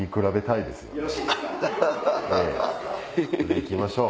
行きましょう。